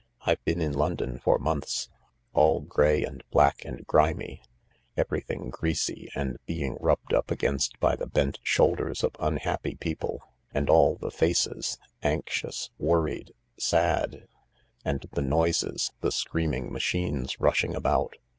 I've been in London for months— all grey and black and grimy— everything greasy with being rubbed up against by the bent shoulders of un happy people. And all the faces— anxious, worried, sad. And the noises — the screaming machines rushing about.